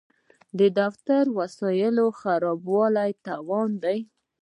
د دفتر وسایل خرابول تاوان دی.